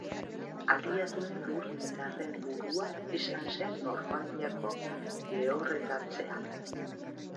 Aliatuen lur-indarren burua izan zen Normandiako Lehorreratzean.